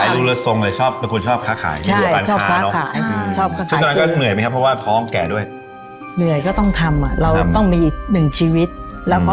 รู้ค่ะอยู่ในตลาดทำไมจะไม่รู้